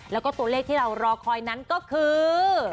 แล้วก็ตัวเลขที่เรารอคอยนั้นก็คือ